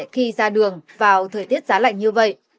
khi ra đường vào thời tiết giá lạnh như vậy